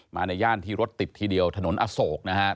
ในย่านที่รถติดทีเดียวถนนอโศกนะครับ